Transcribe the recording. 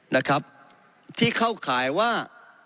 นะครับที่เข้าข่ายว่า